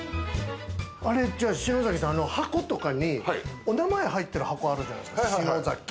篠崎さん、箱とかにお名前入ってる箱あるじゃないですか。